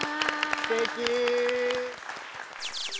すてき。